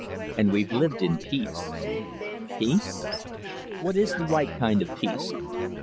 And we've lived in peace. Peace? Where is the right kind of peace?